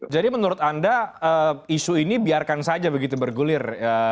jadi menurut anda isu ini biarkan saja begitu bergulir